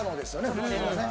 普通はね